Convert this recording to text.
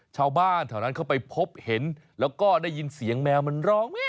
ชาวบ้านแถวนั้นเข้าไปพบเห็นแล้วก็ได้ยินเสียงแมวมันร้องเนี่ย